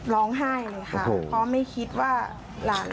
ร้องไห้เลยค่ะเพราะไม่คิดว่าหลานเราจะโดนขนาดนี้